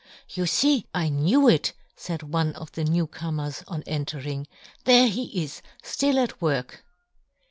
" You fee, I knew it," faid one of the new comers on entering, " there he is, ftill at work."